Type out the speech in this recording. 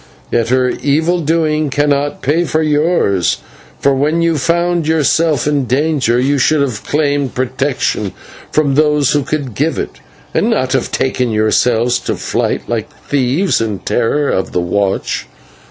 Yet her evil doing cannot pay for yours, for when you found yourself in danger, you should have claimed protection from those who could give it, and not have betaken yourselves to flight like thieves in terror of the watch.